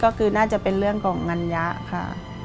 ก็คือน่าจะเป็นเรื่องของเงินยะค่ะ